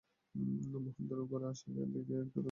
মহেন্দ্রও ঘরে আশাকে দেখিয়া একটু থমকিয়া দাঁড়াইল।